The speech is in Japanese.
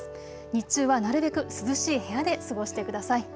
日中はなるべく涼しい部屋で過ごしてください。